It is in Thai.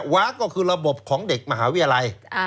วากก็คือระบบของเด็กมหาวิทยาลัย